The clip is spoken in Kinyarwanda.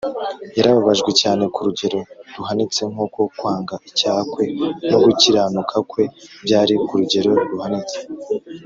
yarababajwe cyane ku rugero ruhanitse, nk’uko kwanga icyaha kwe no gukiranuka kwe byari ku rugero ruhanitse